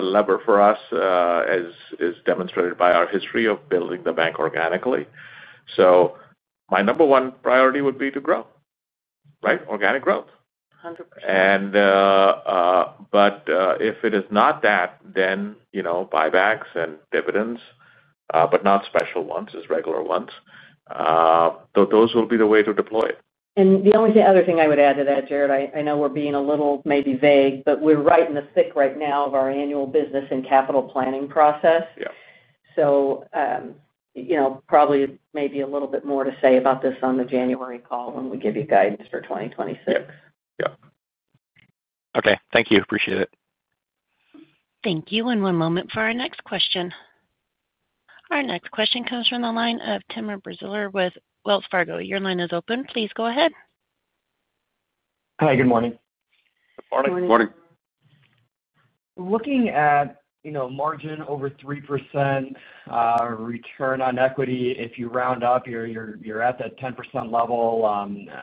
lever for us, as is demonstrated by our history of building the bank organically. My number one priority would be to grow, right? Organic growth. 100%. If it is not that, then, you know, buybacks and dividends, but not special ones, just regular ones. Those will be the way to deploy it. The only other thing I would add to that, Jared, I know we're being a little maybe vague, but we're right in the thick right now of our annual business and capital planning process. Yeah, probably maybe a little bit more to say about this on the January call when we give you guidance for 2026. Yeah. Yeah. Okay, thank you. Appreciate it. Thank you. One moment for our next question. Our next question comes from the line of Timur Braziler with Wells Fargo Securities LLC. Your line is open. Please go ahead. Hi. Good morning. Good morning. Morning. Looking at, you know, margin over 3%, return on equity, if you round up, you're at that 10% level.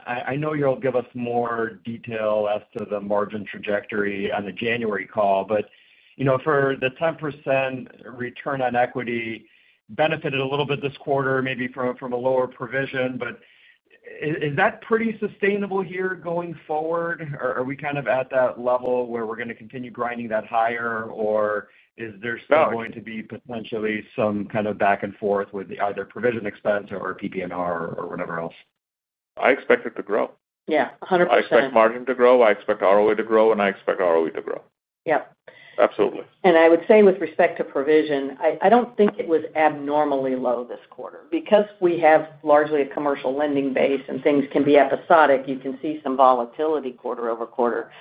I know you'll give us more detail as to the margin trajectory on the January call, but, you know, for the 10% return on equity, benefited a little bit this quarter, maybe from a lower provision, but is that pretty sustainable here going forward? Are we kind of at that level where we're going to continue grinding that higher, or is there still going to be potentially some kind of back and forth with either provision expense or PP&R or whatever else? I expect it to grow. Yeah. 100%. I expect margin to grow. I expect ROA to grow, and I expect ROE to grow. Yep. Absolutely. I would say with respect to provision, I don't think it was abnormally low this quarter. Because we have largely a commercial lending base and things can be episodic, you can see some volatility quarter over quarter.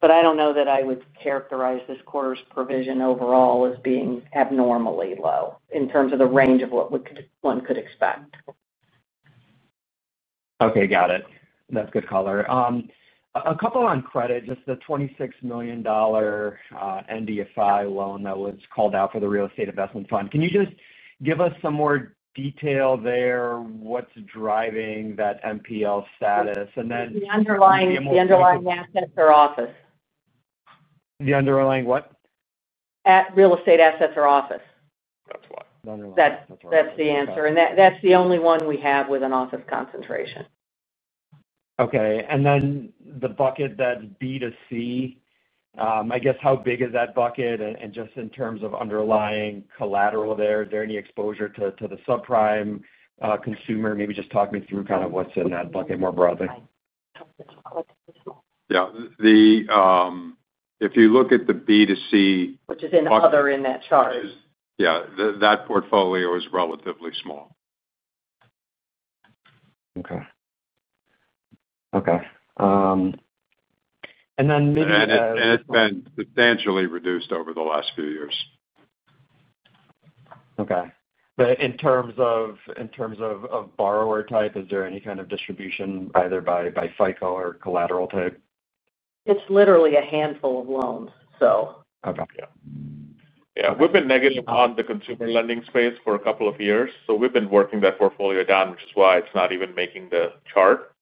I don't know that I would characterize this quarter's provision overall as being abnormally low in terms of the range of what one could expect. Okay. Got it. That's good color. A couple on credit. The $26 million NDFI loan that was called out for the Real Estate Investment Fund. Can you just give us some more detail there? What's driving that NPL status? The underlying assets are office. The underlying what? At real estate assets or office. That's why the underlying. That's the answer. That's the only one we have with an office concentration. Okay. The bucket that's B2C, I guess how big is that bucket? In terms of underlying collateral there, is there any exposure to the subprime consumer? Maybe just talk me through kind of what's in that bucket more broadly. Yeah, if you look at the B2C. Which is in the other in that chart. Yeah, that portfolio is relatively small. Okay, and then maybe. It has been substantially reduced over the last few years. In terms of borrower type, is there any kind of distribution either by FICO or collateral type? It's literally a handful of loans. Okay. Yeah. We've been negative on the consumer lending space for a couple of years. We've been working that portfolio down, which is why it's not even making the chart.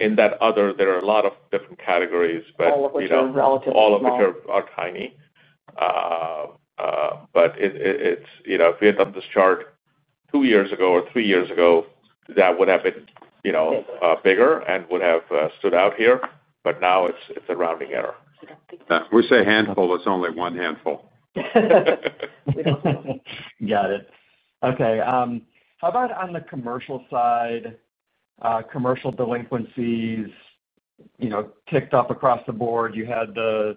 In that other, there are a lot of different categories, but. All of which are relatively tiny. All of which are tiny. If we had done this chart two years ago or three years ago, that would have been bigger and would have stood out here. Now it's a rounding error. Yeah, we say handful. It's only one handful. Got it. Okay. How about on the commercial side? Commercial delinquencies ticked up across the board. You had the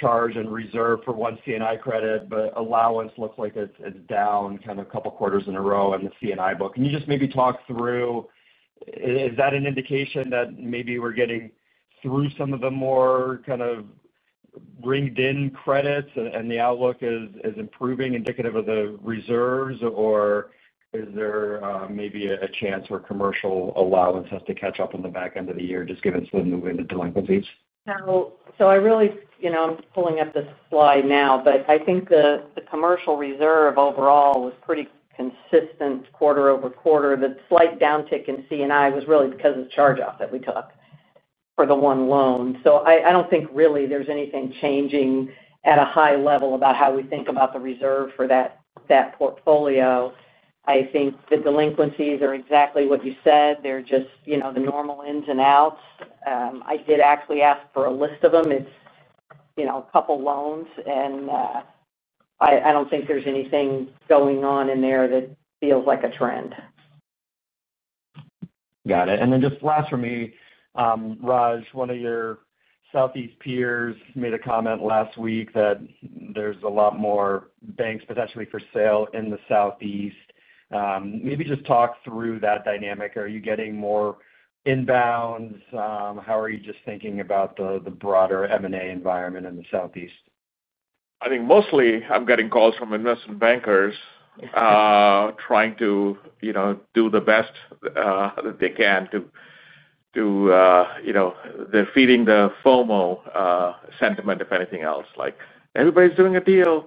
charge and reserve for one C&I credit, but allowance looks like it's down kind of a couple of quarters in a row in the C&I book. Can you just maybe talk through, is that an indication that maybe we're getting through some of the more kind of ringed-in credits and the outlook is improving indicative of the reserves, or is there maybe a chance where commercial allowance has to catch up on the back end of the year just given some of the moving of delinquencies? I really, you know, I'm pulling up this slide now, but I think the commercial reserve overall was pretty consistent quarter over quarter. The slight downtick in C&I was really because of the charge-off that we took for the one loan. I don't think really there's anything changing at a high level about how we think about the reserve for that portfolio. I think the delinquencies are exactly what you said. They're just, you know, the normal ins and outs. I did actually ask for a list of them. It's a couple loans. I don't think there's anything going on in there that feels like a trend. Got it. Just last for me, Raj, one of your Southeast peers made a comment last week that there's a lot more banks potentially for sale in the Southeast. Maybe just talk through that dynamic. Are you getting more inbounds? How are you just thinking about the broader M&A environment in the Southeast? I think mostly I'm getting calls from investment bankers, trying to do the best that they can to, you know, they're feeding the FOMO sentiment, if anything else. Like, everybody's doing a deal.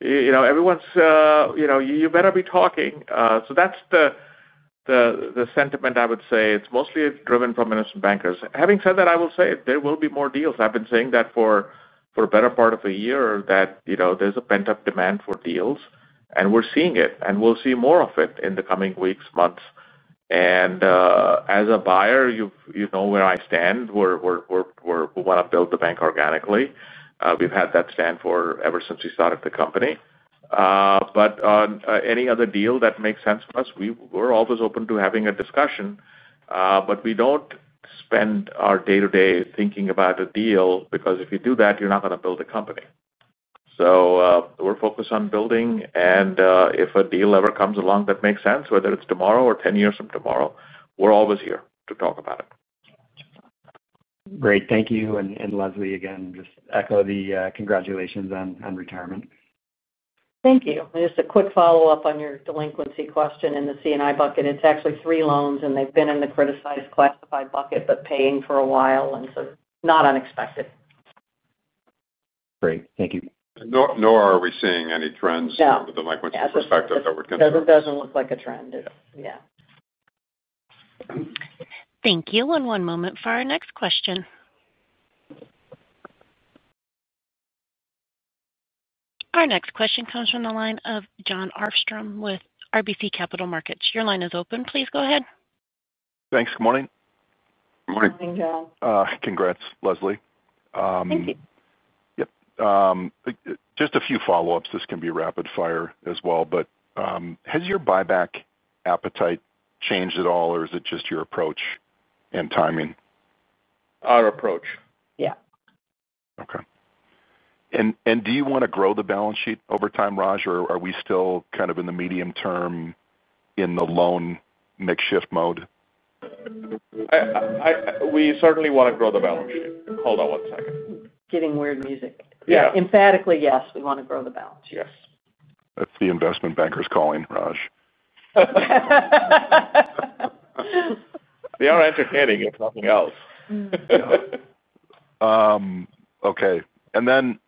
You know, everyone's, you know, you better be talking. That's the sentiment I would say. It's mostly driven from investment bankers. Having said that, I will say there will be more deals. I've been saying that for a better part of a year that, you know, there's a pent-up demand for deals. We're seeing it. We'll see more of it in the coming weeks, months. As a buyer, you know where I stand. We want to build the bank organically. We've had that stand ever since we started the company. On any other deal that makes sense for us, we're always open to having a discussion. We don't spend our day-to-day thinking about a deal because if you do that, you're not going to build a company. We're focused on building. If a deal ever comes along that makes sense, whether it's tomorrow or 10 years from tomorrow, we're always here to talk about it. Great. Thank you. Leslie, again, just echo the congratulations on retirement. Thank you. Just a quick follow-up on your delinquency question in the C&I bucket. It's actually three loans, and they've been in the criticized classified bucket, but paying for a while, and so not unexpected. Great, thank you. Nor are we seeing any trends from a delinquency perspective that would contribute. Yeah, it doesn't look like a trend. Thank you. One moment for our next question. Our next question comes from the line of Jon Arfstrom with RBC Capital Markets. Your line is open. Please go ahead. Thanks. Good morning. Morning. Morning, John. Congrats, Leslie. Thank you. Yep, just a few follow-ups. This can be rapid fire as well, but has your buyback appetite changed at all, or is it just your approach and timing? Our approach. Yeah. Okay. Do you want to grow the balance sheet over time, Raj, or are we still kind of in the medium term in the loan makeshift mode? We certainly want to grow the balance sheet. Hold on one second. Yeah, emphatically, yes, we want to grow the balance sheet. Yes. That's the investment banker's calling, Raj. They are entertaining, if nothing else. Okay. And then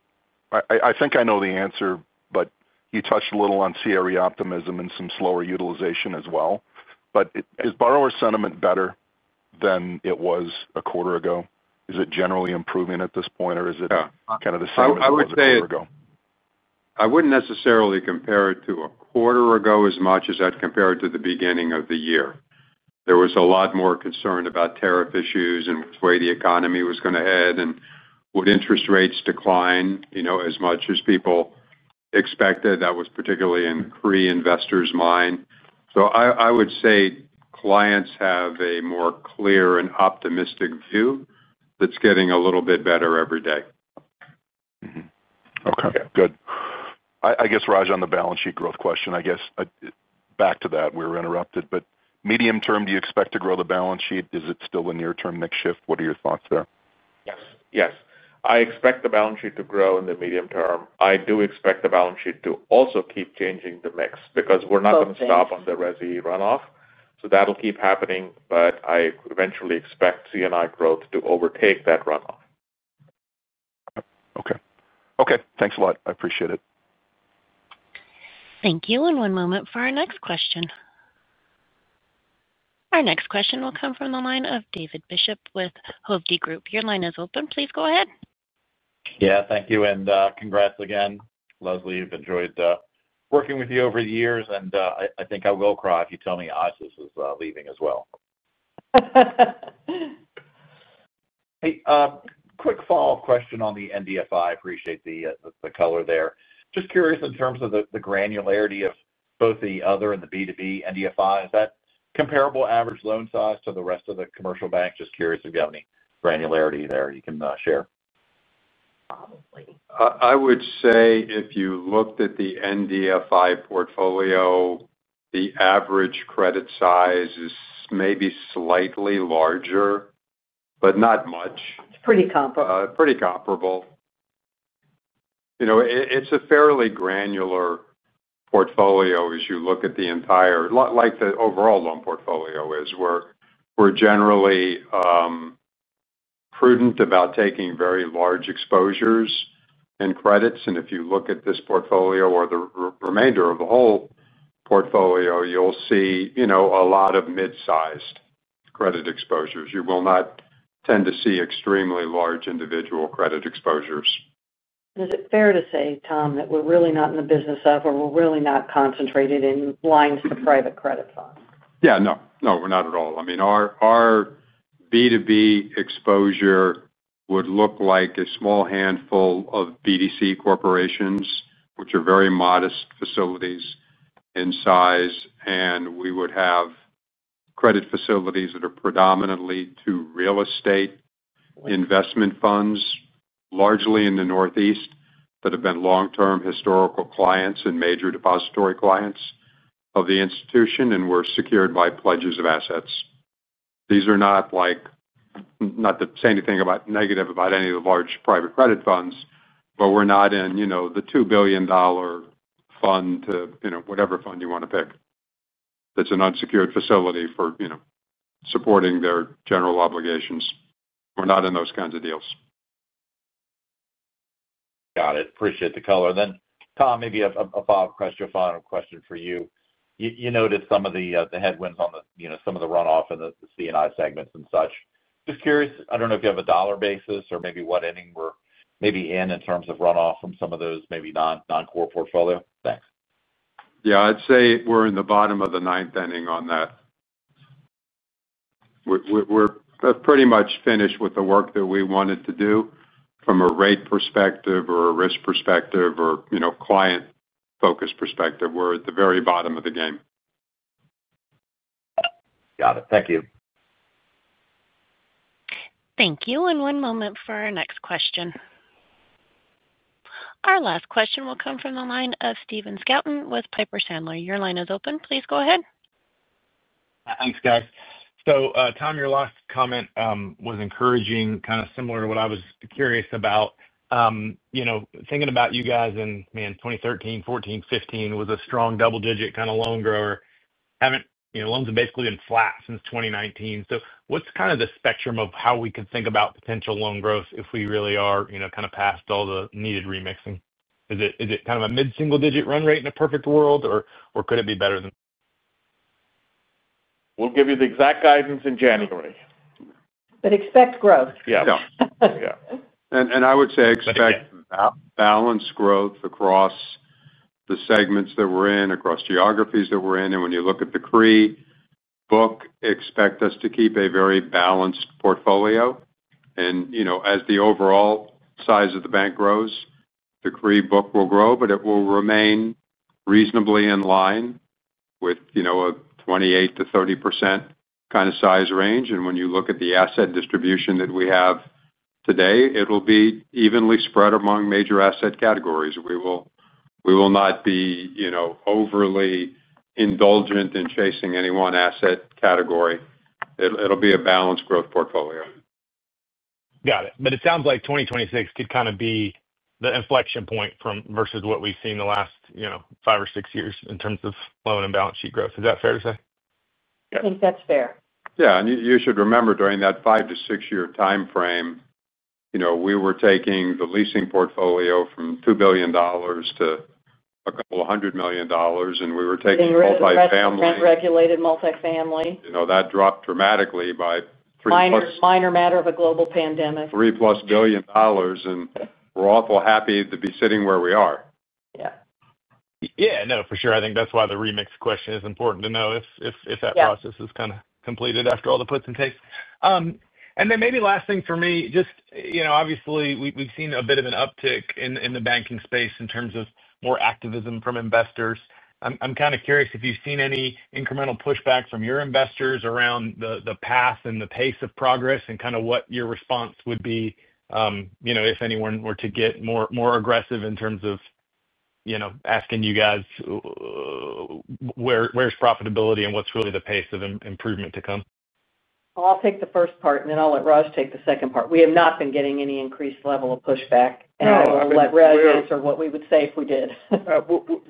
I think I know the answer, but you touched a little on CRE optimism and some slower utilization as well. Is borrower sentiment better than it was a quarter ago? Is it generally improving at this point, or is it kind of the same as it was a quarter ago? I wouldn't necessarily compare it to a quarter ago as much as I'd compare it to the beginning of the year. There was a lot more concern about tariff issues and which way the economy was going to head and would interest rates decline, you know, as much as people expected. That was particularly in the CRE investors' mind. I would say clients have a more clear and optimistic view that's getting a little bit better every day. Okay. I guess, Raj, on the balance sheet growth question, back to that, we were interrupted. Medium term, do you expect to grow the balance sheet? Is it still a near-term makeshift? What are your thoughts there? Yes. I expect the balance sheet to grow in the medium term. I do expect the balance sheet to also keep changing the mix because we're not going to stop on the rescue runoff. That'll keep happening, but I eventually expect C&I growth to overtake that runoff. Okay. Thanks a lot. I appreciate it. Thank you. One moment for our next question. Our next question will come from the line of David Bishop with Hovde Group LLC. Your line is open. Please go ahead. Thank you. Congrats again, Leslie. I've enjoyed working with you over the years, and I think I will cry if you tell me Isis is leaving as well. Quick follow-up question on the NDFI. I appreciate the color there. Just curious in terms of the granularity of both the other and the B2B NDFI. Is that comparable average loan size to the rest of the commercial bank? Just curious if you have any granularity there you can share. Probably. I would say if you looked at the NDFI portfolio, the average credit size is maybe slightly larger, but not much. It's pretty comparable. Pretty comparable. It's a fairly granular portfolio as you look at the entire, like the overall loan portfolio is, where we're generally prudent about taking very large exposures and credits. If you look at this portfolio or the remainder of the whole portfolio, you'll see a lot of mid-sized credit exposures. You will not tend to see extremely large individual credit exposures. Is it fair to say, Tom, that we're really not in the business of, or we're really not concentrated in lines to private credit funds? No, we're not at all. I mean, our B2B exposure would look like a small handful of BDC corporations, which are very modest facilities in size. We would have credit facilities that are predominantly to real estate investment funds, largely in the Northeast, that have been long-term historical clients and major depository clients of the institution, and we're secured by pledges of assets. These are not, not to say anything negative about any of the large private credit funds, but we're not in, you know, the $2 billion fund to, you know, whatever fund you want to pick that's an unsecured facility for, you know, supporting their general obligations. We're not in those kinds of deals. Got it. Appreciate the color. Tom, maybe a follow-up question, a final question for you. You noticed some of the headwinds on some of the runoff in the C&I segments and such. Just curious, I don't know if you have a dollar basis or maybe what ending we're maybe in in terms of runoff from some of those, maybe non-core portfolio. Thanks. Yeah. I'd say we're in the bottom of the ninth inning on that. We're pretty much finished with the work that we wanted to do from a rate perspective, a risk perspective, or a client-focused perspective. We're at the very bottom of the game. Got it. Thank you. Thank you. One moment for our next question. Our last question will come from the line of Steven Skelton with Piper Sandler. Your line is open. Please go ahead. Thanks, guys. Tom, your last comment was encouraging, kind of similar to what I was curious about. You know, thinking about you guys i, 2013, 2014, 2015, was a strong double-digit kind of loan grower. Haven't, you know, loans have basically been flat since 2019. What's kind of the spectrum of how we could think about potential loan growth if we really are, you know, kind of past all the needed remixing? Is it kind of a mid-single-digit run rate in a perfect world, or could it be better than that? We'll give you the exact guidance in January. Expect growth. Yeah. Yeah. I would say expect balanced growth across the segments that we're in, across geographies that we're in. When you look at the CRE book, expect us to keep a very balanced portfolio. As the overall size of the bank grows, the CRE book will grow, but it will remain reasonably in line with a 28%-30% kind of size range. When you look at the asset distribution that we have today, it'll be evenly spread among major asset categories. We will not be overly indulgent in chasing any one asset category. It'll be a balanced growth portfolio. Got it. It sounds like 2026 could kind of be the inflection point versus what we've seen the last five or six years in terms of loan and balance sheet growth. Is that fair to say? Yeah. I think that's fair. You should remember during that five to six-year timeframe, we were taking the leasing portfolio from $2 billion to a couple hundred million dollars, and we were taking multifamily. We were going to strength-regulated multifamily. You know, that dropped dramatically by $3 billion plus. Minor matter of a global pandemic. $3 billion, and we're awful happy to be sitting where we are. Yeah. Yeah, for sure. I think that's why the remix question is important to know if that process is kind of completed after all the puts and takes. Maybe last thing for me, just, you know, obviously, we've seen a bit of an uptick in the banking space in terms of more activism from investors. I'm kind of curious if you've seen any incremental pushback from your investors around the path and the pace of progress and kind of what your response would be, you know, if anyone were to get more aggressive in terms of, you know, asking you guys, "Where's profitability and what's really the pace of improvement to come? I'll take the first part, and then I'll let Raj take the second part. We have not been getting any increased level of pushback. I'll let Raj answer what we would say if we did.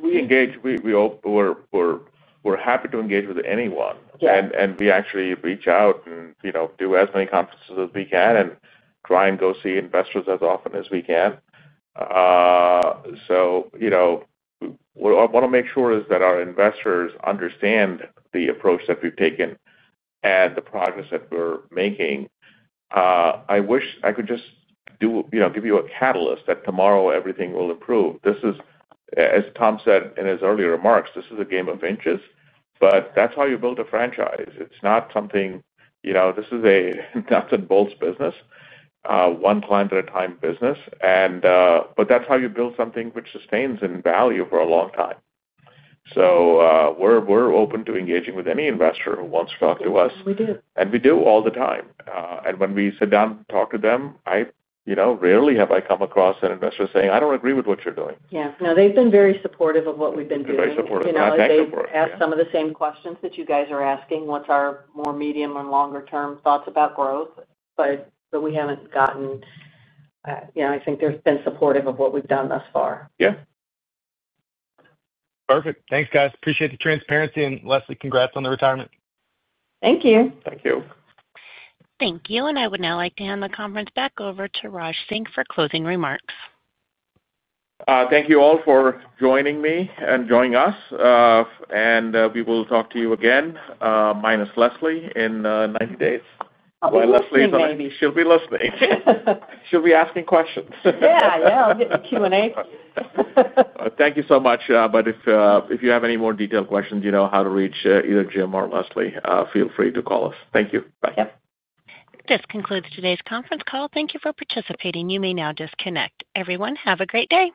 We engage. We were happy to engage with anyone. We actually reach out and, you know, do as many conferences as we can and try and go see investors as often as we can. What I want to make sure is that our investors understand the approach that we've taken and the progress that we're making. I wish I could just do, you know, give you a catalyst that tomorrow everything will improve. This is, as Tom said in his earlier remarks, this is a game of inches, but that's how you build a franchise. It's not something, you know, this is a nuts and bolts business, one client at a time business. That's how you build something which sustains in value for a long time. We're open to engaging with any investor who wants to talk to us. We do. We do all the time. When we sit down and talk to them, I rarely have I come across an investor saying, "I don't agree with what you're doing. Yeah, they've been very supportive of what we've been doing. They're very supportive. I think they asked some of the same questions that you guys are asking, "What's our more medium and longer-term thoughts about growth?" We haven't gotten, I think they've been supportive of what we've done thus far. Yeah. Perfect. Thanks, guys. Appreciate the transparency. Leslie, congrats on the retirement. Thank you. Thank you. Thank you. I would now like to hand the conference back over to Rajinder Singh for closing remarks. Thank you all for joining me and joining us. We will talk to you again, minus Leslie, in 90 days. Leslie is going to be, she'll be listening. She'll be asking questions. Yeah, I'll get the Q&A. Thank you so much. If you have any more detailed questions, you know how to reach either Jim or Leslie. Feel free to call us. Thank you. Bye. Yep. This concludes today's conference call. Thank you for participating. You may now disconnect. Everyone, have a great day.